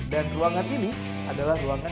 dan ruangan ini adalah ruangan